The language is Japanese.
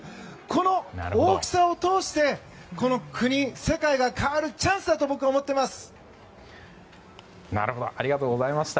この大きさを通してこの国、世界が変わるチャンスだと僕は思っています。